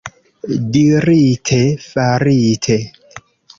Dirite, farite.